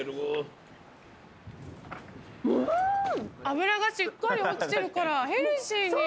脂がしっかり落ちてるからヘルシーに。